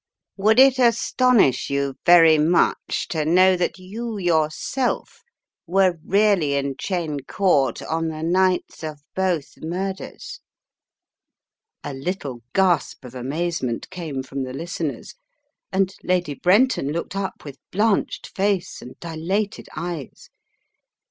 "Would it astonish you very much to know that you yourself were really in Cheyne Court on the nights of both murders ?" A little gasp of amazement came from the listeners and Lady Brenton looked up with blanched face and dilated eyes.